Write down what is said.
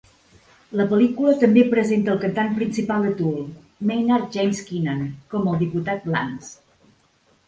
La pel·lícula també presenta el cantant principal de Tool, Maynard James Keenan, com al diputat Lance.